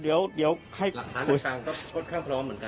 หลักฐานต่างก็พร้อมเหมือนกัน